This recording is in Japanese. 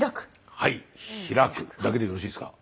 はい「開く」だけでよろしいですか？